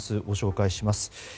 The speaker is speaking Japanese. ご紹介します。